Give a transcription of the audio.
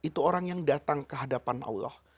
itu orang yang datang kehadapan allah